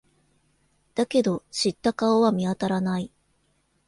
だけど、知った顔は見当たらない。